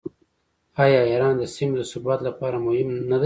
آیا ایران د سیمې د ثبات لپاره مهم نه دی؟